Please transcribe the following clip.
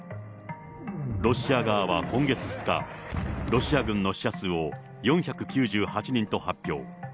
ロシア側は今月２日、ロシア軍の死者数を４９８人と発表。